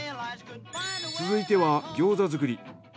続いては餃子作り。